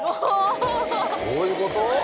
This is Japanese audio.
こういうこと？